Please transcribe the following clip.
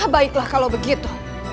baiklah kalau begitu